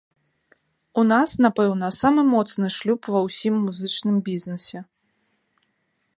У нас, напэўна, самы моцны шлюб ва ўсім музычным бізнесе.